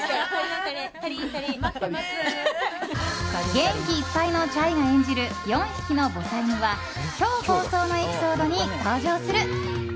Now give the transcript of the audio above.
元気いっぱいのＣＨＡＩが演じる４匹のぼさいぬは今日放送のエピソードに登場する。